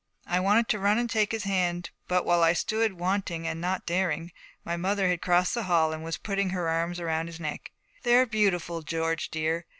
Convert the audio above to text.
I wanted to run and take his hand; but while I stood, wanting and not daring, my mother had crossed the hall and was putting her arms around his neck. 'They're beautiful, George dear.